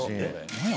何や？